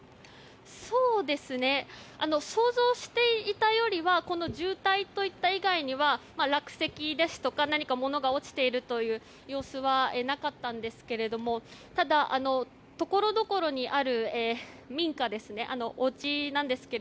想像していたよりはこの渋滞といった以外には落石ですとか何か物が落ちているという様子はなかったんですがただ、ところどころにある民家ですね。